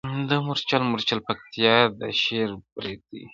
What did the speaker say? دا مورچل، مورچل پکتيا او دا شېر برېتي،